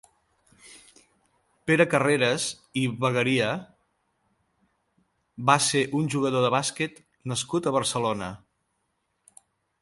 Pere Carreras i Bagaria va ser un jugador de bàsquet nascut a Barcelona.